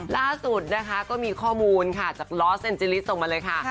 ล่าสุดนะคะก็มีข้อมูลค่ะจากล้อเซ็นจิลิสส่งมาเลยค่ะ